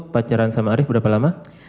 pacaran sama arief berapa lama